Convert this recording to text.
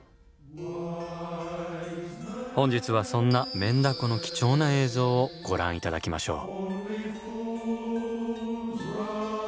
本日はそんなメンダコの貴重な映像をご覧頂きましょう。